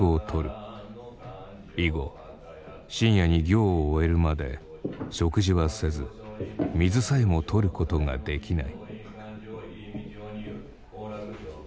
以後深夜に行を終えるまで食事はせず水さえもとることができない。